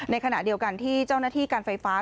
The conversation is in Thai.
ในขณะเดียวกันที่เจ้าหน้าที่การไฟฟ้า